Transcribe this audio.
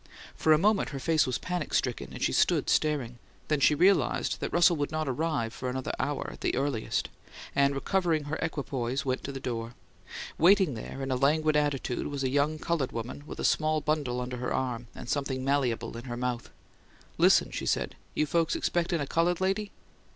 For a moment her face was panic stricken, and she stood staring, then she realized that Russell would not arrive for another hour, at the earliest, and recovering her equipoise, went to the door. Waiting there, in a languid attitude, was a young coloured woman, with a small bundle under her arm and something malleable in her mouth. "Listen," she said. "You folks expectin' a coloured lady?"